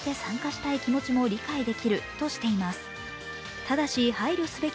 ただし、配慮すべき